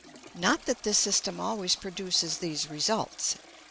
Not that this system always produces these results.